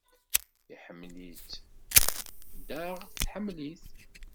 Iḥemmel-itt. Daɣ tḥemmel-it.